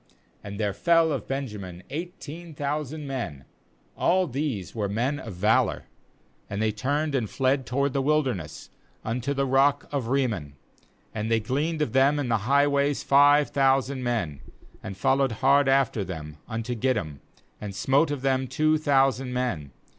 '"And there fell of Benjamin eighteen thou sand men; all these were men of valour. 4BAnd they turned and fled toward the wilderness unto the rock of Rimmpn; and they gleaned of them in the highways five thousand men; and followed hard after them unto Gidom, and smote of them two thousand men.